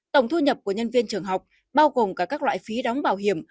tổng thu nhập của nhân viên trường học bao gồm cả các loại phí đóng bảo hiểm